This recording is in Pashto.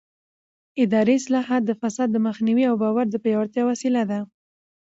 اداري اصلاحات د فساد د مخنیوي او باور د پیاوړتیا وسیله دي